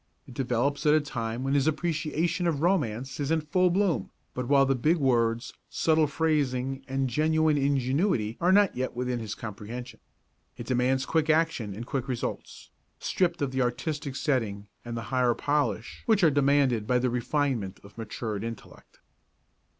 It develops at a time when his appreciation of romance is in full bloom but while big words, subtle phrasing and genuine ingenuity are not yet within his comprehension. It demands quick action and quick results, stripped of the artistic setting and higher polish which are demanded by the refinement of matured intellect.